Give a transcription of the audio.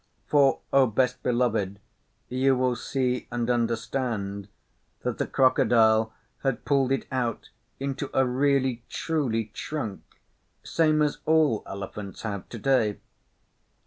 For, O Best Beloved, you will see and understand that the Crocodile had pulled it out into a really truly trunk same as all Elephants have to day.